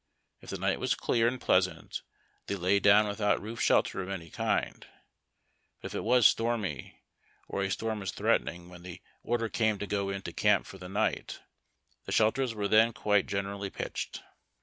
If the night was clear and pleasant, they lay down with out roof shelter of any kind : but if it was stormy or a .storm was threaten ing when the order came to go into camp for the night, the slielters were then quite gener ally pitched.